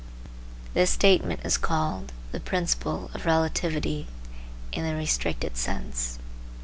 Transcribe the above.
This statement is called the principle of relativity (in the restricted sense).